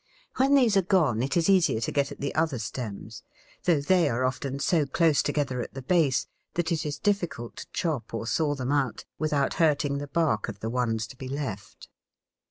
When these are gone it is easier to get at the other stems, though they are often so close together at the base that it is difficult to chop or saw them out without hurting the bark of the ones to be left.